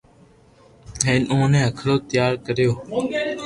ھين اوني ھکرو تيار ڪريو